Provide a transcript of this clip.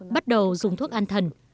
bắt đầu dùng thuốc ăn thần